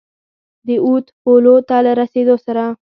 د اود پولو ته له رسېدلو سره.